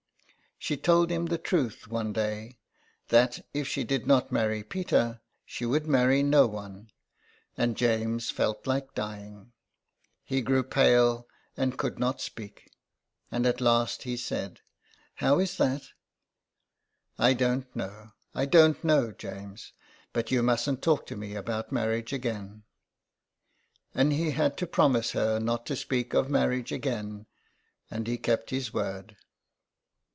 She told him the truth one day, that if she did not marry Peter she would marry no one, and James felt like dying. He grew pale and could not speak. At last he said, " How is that ?"" I don't know. I don't know, James. But you mustn't talk to me about marriage again." And he had to promise her not to speak of mar riage again, and he kept his word.